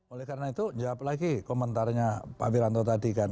oleh karena itu jawab lagi komentarnya pak wiranto tadi kan